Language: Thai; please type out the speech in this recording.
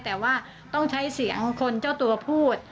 แต่ว่าต้องใช้เสียงคนเจ้าตัวพูด